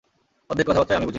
অর্ধেক কথাবার্তাই আমি বুঝিনি!